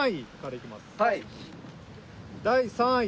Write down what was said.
第３位。